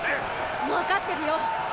わかってるよ！